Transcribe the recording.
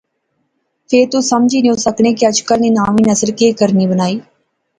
فہ تس سمجھی نیا سکنے کہ اجکل نی ناویں نسل کہہ کرنی بنانی